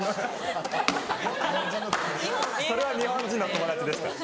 それは日本人の友達でした。